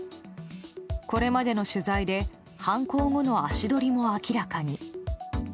これまでの取材で犯行後の足取りも明らかに。